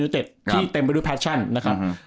เต็ดที่เต็มไปด้วยแฟชั่นนะครับ